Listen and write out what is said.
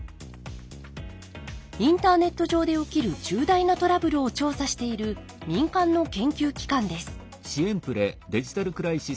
インターネット上で起きる重大なトラブルを調査している民間の研究機関です。